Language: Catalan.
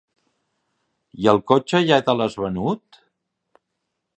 I el cotxe, ja te l'has venut?